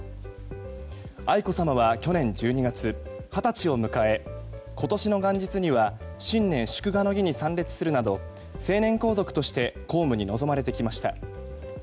愛子さまは去年１２月二十歳を迎え今年の元日には新年祝賀の儀に参列するなど成年皇族として公務に臨まれてきました。